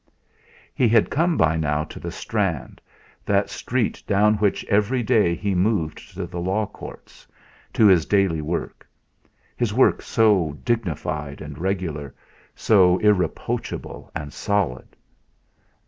He had come by now to the Strand, that street down which every day he moved to the Law Courts, to his daily work; his work so dignified and regular, so irreproachable, and solid.